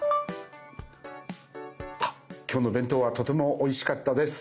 今日の弁当はとてもおいしかったです。